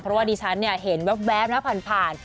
เพราะว่าดิฉันเห็นแว๊บนะผ่าน